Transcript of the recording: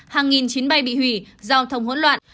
hàng nghìn chuyến bay bị hủy giao thông hỗn loạn